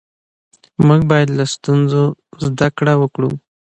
موږ باید له ستونزو زده کړه وکړو